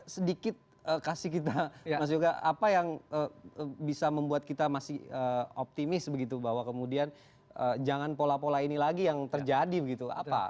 sedikit kasih kita mas yoga apa yang bisa membuat kita masih optimis begitu bahwa kemudian jangan pola pola ini lagi yang terjadi begitu apa